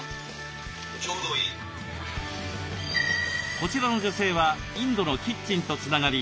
こちらの女性はインドのキッチンとつながり